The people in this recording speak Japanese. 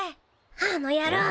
あの野郎！